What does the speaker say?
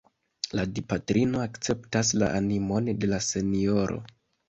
La Dipatrino akceptas la animon de la senjoro.